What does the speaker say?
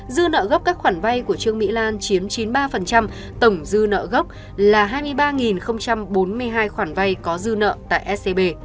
dư nợ gốc các khoản vay của trương mỹ lan chiếm chín mươi ba tổng dư nợ gốc là hai mươi ba bốn mươi hai khoản vay có dư nợ tại scb